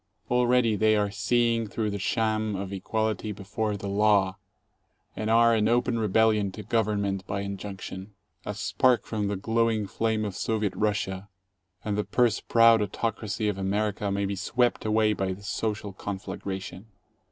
Already they are seeing through the sham of "equality before the law," and are in open rebellion to govern ment by injunction. A spark from the glowing flame of Soviet Russia, and the purse proud autocracy of America may be swept away by the social conflagration.